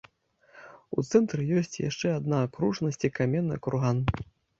У цэнтры ёсць яшчэ адна акружнасць і каменны курган.